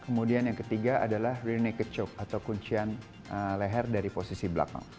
kemudian yang ketiga adalah rear naked choke atau kuncian leher dari posisi belakang